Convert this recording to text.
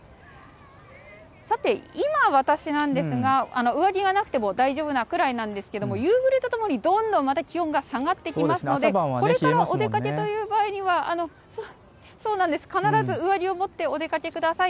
さて、今私なんですが上着がなくても大丈夫なぐらいなんですが夕暮れとともに、またどんどん気温が下がってきますのでこれからお出かけという場合には必ず上着を持ってお出かけください。